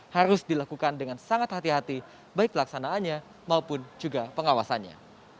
harus dilakukan dengan sangat hati hati baik pelaksanaannya maupun juga pengawasannya